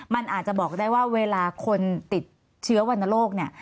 มันอาจจะบอกได้ว่าเวลาคนติดเชื้อวรรณโรคเนี่ย